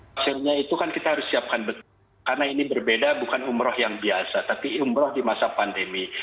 akhirnya itu kan kita harus siapkan betul karena ini berbeda bukan umroh yang biasa tapi umroh di masa pandemi